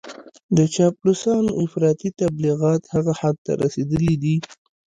د چاپلوسانو افراطي تبليغات هغه حد ته رسېدلي دي.